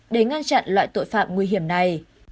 để ngăn chặn loại tội phạm nguy hiểm này